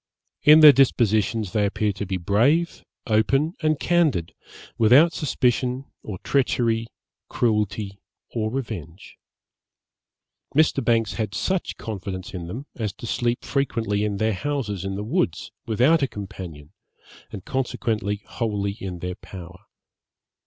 In their dispositions they appear to be brave, open, and candid, without suspicion or treachery, cruelty or revenge. Mr. Banks had such confidence in them, as to sleep frequently in their houses in the woods, without a companion, and consequently wholly in their power.